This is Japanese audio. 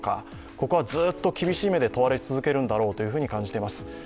ここはずっと厳しい目で問われ続けるんだろうと感じています。